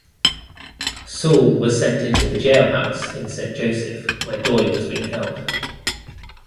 Soule was sent into the jailhouse in Saint Joseph where Doy was being held.